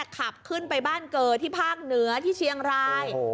ขับขึ้นไปบ้านเกิดที่ภาคเหนือที่เชียงราย